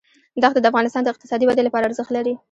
دښتې د افغانستان د اقتصادي ودې لپاره ارزښت لري.